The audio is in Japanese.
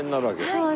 はい。